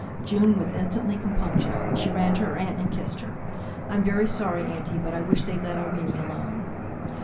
June was instantly compunctious; she ran to her aunt and kissed her. "I'm very sorry, auntie; but I wish they'd let Irene alone."